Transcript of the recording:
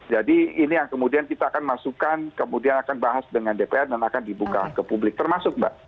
jadi ini yang kemudian kita akan masukkan kemudian akan dibahas dengan dpr dan akan dibuka ke publik termasuk mbak